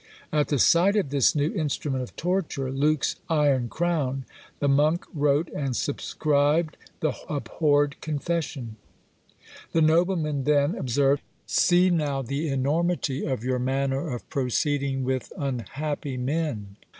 At the sight of this new instrument of torture, "Luke's iron crown," the monk wrote and subscribed the abhorred confession. The nobleman then observed, "See now the enormity of your manner of proceeding with unhappy men!